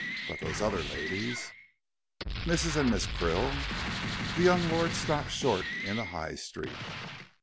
But those other ladies?" "Mrs. and Miss Krill." The young lord stopped short in the High Street.